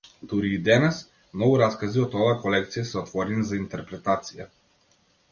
Дури и денес, многу раскази од оваа колекција се отворени за интерпретација.